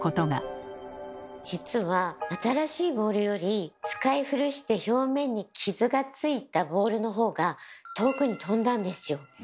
実は新しいボールより使い古して表面に傷がついたボールのほうが遠くに飛んだんですよ。